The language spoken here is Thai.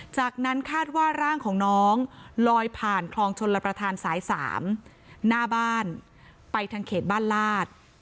จากนั้นคาดว่าร่างของน้องลอยผ่านคลองชนระประธานสาย๓หน้าบ้านไปทางเขตบ้านลาด